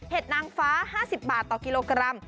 นางฟ้า๕๐บาทต่อกิโลกรัม